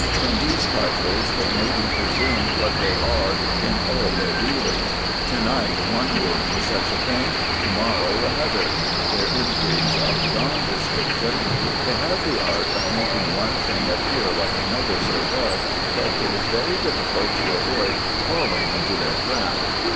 From these trifles it may be presumed what they are in all their dealings : to night one word for such a thing, to morrow another : their intrigues are beyond description : they have the art of making one thing appear like another so well, that it is very difficult to avoid falling into their trap.